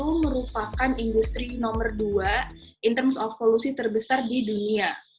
itu merupakan industri nomor dua in terms of polusi terbesar di dunia